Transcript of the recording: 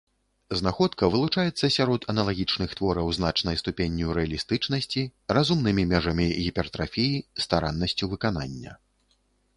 Знаходка вылучаецца сярод аналагічных твораў значнай ступенню рэалістычнасці, разумнымі межамі гіпертрафіі, стараннасцю выканання.